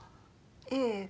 ええ。